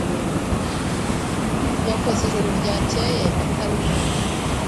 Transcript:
Yakoze ijoro ryakeye ataruhuka.